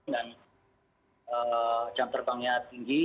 dan jam terbangnya tinggi